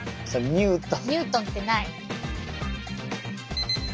ニュートンってなに？